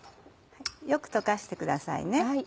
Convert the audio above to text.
よく溶かしてくださいね。